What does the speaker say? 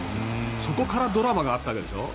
そこからドラマがあったわけでしょ。